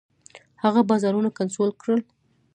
هغه بازارونه کنټرول کړل.